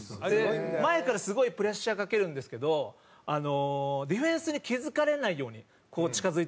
前からすごいプレッシャーかけるんですけどディフェンスに気付かれないように近付いていくみたいで。